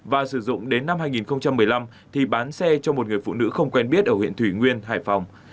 và sử dụng đến năm hai nghìn một mươi năm thì bán xe cho một người phụ nữ không quen biết ở huyện thủy nguyên hải phòng